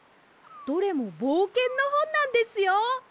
どれもぼうけんのほんなんですよ。